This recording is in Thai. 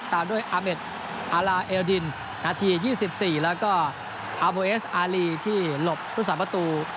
ตามด้วยอาเมดอาลาเอลดินนาที๒๔แล้วก็อาโบเอสอารีที่หลบพุทธศาสตประตู